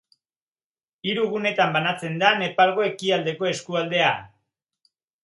Hiru gunetan banatzen da Nepalgo Ekialdeko eskualdea.